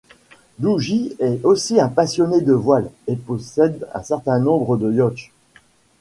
Dougie est aussi un passionné de voile et possède un certain nombre de yachts.